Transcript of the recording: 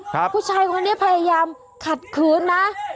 ผู้ชายคนนี้พยายามขัดขืนนะ